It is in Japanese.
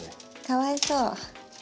かわいそう。